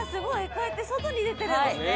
こうやって外に出てるんですね。